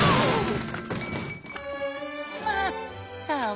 ああ！